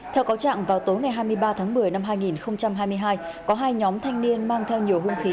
theo cáo trạng vào tối ngày hai mươi ba tháng một mươi năm hai nghìn hai mươi hai có hai nhóm thanh niên mang theo nhiều hung khí